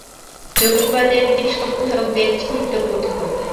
জঙ্গিবাদের পৃষ্ঠপোষকদের চিহ্নিত করতে হবে।